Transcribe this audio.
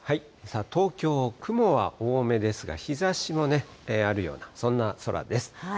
東京、雲は多めですが、日ざしもあるような、そんな空です。